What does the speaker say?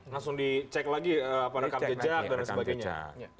langsung dicek lagi rekam jejak dan sebagainya